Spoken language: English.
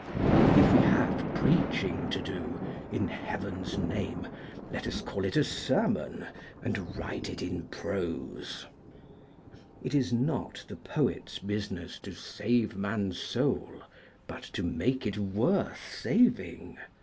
If we have preaching to do, in heaven's name let us call it a sermon and write it in prose. It is not the poet's business to save man's GOLDEN JOURNEY TO SAMARKAND 241 soul, but to make it worth saving.